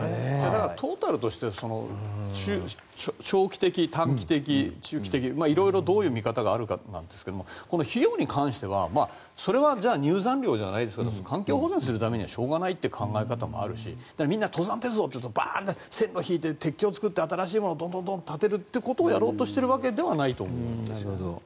トータルとして長期的、短期的中期的、色々どういう見方があるかなんですが費用に関してはそれは入山料じゃないですけど環境保全するためにはしょうがないという考え方もあるし、登山鉄道というと線路を引いて、鉄橋を造って新しいものをドンドンと建てようとしているということではないように。